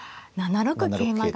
７六桂馬が。